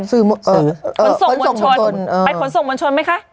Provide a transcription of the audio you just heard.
ไปผนส่งมนชนไหมคะ